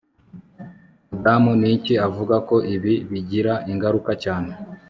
Madamu Nikki avuga ko ibi bigira ingaruka cyane